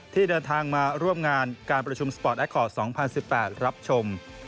ที่เดินทางมาร่วมงานการประชุมสปอร์ตแคอร์ต๒๐๑๘รับชม